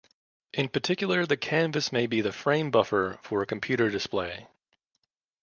In particular the canvas may be the frame buffer for a computer display.